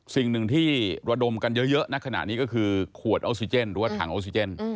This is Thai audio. สิ่งหนึ่งที่ระดมกันเยอะณขณะนี้ก็คือขวดออกซิเจนหรือว่าถังออกซิเจน